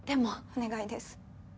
お願いです。